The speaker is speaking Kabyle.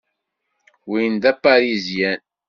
Win d Aparizyan.